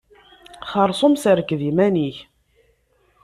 Xerṣum serked iman-ik.